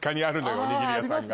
おにぎり屋さんが。